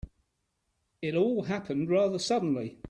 It all happened rather suddenly.